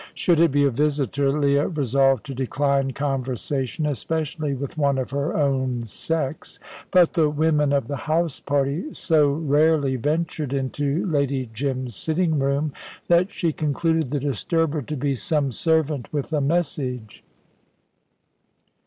Should it be a visitor, Leah resolved to decline conversation, especially with one of her own sex. But the women of the house party so rarely ventured into Lady Jim's sitting room, that she concluded the disturber to be some servant with a message.